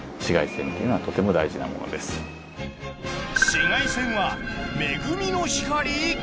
紫外線は恵みの光？